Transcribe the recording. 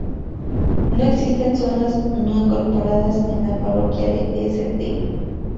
No existen zonas no incorporadas en la parroquia de St.